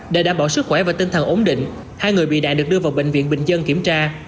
để đảm bảo sức khỏe và tinh thần ổn định hai người bị đại được đưa vào bệnh viện bình dân kiểm tra